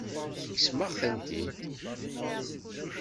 Tekksem-aɣ-tent-id.